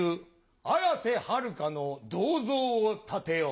綾瀬はるかの銅像を建てよう。